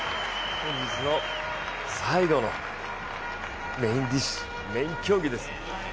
本日の最後のメインディッシュ、メイン競技です。